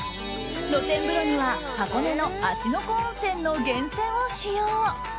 露天風呂には箱根の芦ノ湖温泉の源泉を使用。